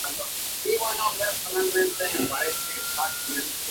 Se encuentran en África y en Asia meridional hasta la India.